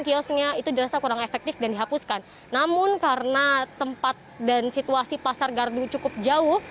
kiosnya itu dirasa kurang efektif dan dihapuskan namun karena tempat dan situasi pasar gardu cukup jauh